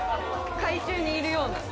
海中にいるような。